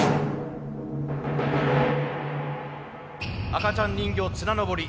赤ちゃん人形綱登り。